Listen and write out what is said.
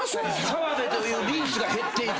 澤部というリンスが減っていく。